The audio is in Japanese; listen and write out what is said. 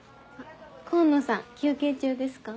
紺野さん休憩中ですか？